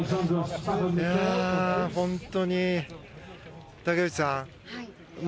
本当に武内さん